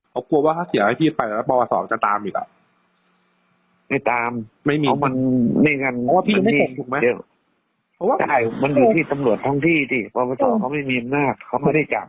ขอบคุณว่าถ้าเสียให้พี่ไปแล้วพอศอกจะตามอีกอ่ะไม่ตามไม่มีเพราะมันไม่งั้น